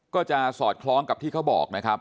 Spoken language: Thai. ก็จะสอดคล้องกับที่เขาบอกนะครับ